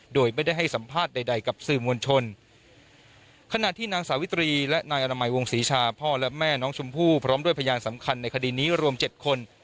โดยไม่ได้ให้สัมภาษณ์ใดใดกับสื่อมวลชนขณะที่นางสาวิตรีและนายอนามัยวงศรีชาพ่อและแม่น้องชมพู่พร้อมด้วยพยานสำคัญในคดีนี้รวมเจ็ดคน